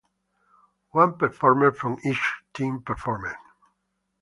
One performer from each team performed.